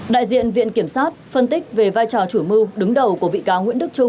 đại diện viện kiểm sát phân tích về vai trò chủ mưu đứng đầu của bị cáo nguyễn đức trung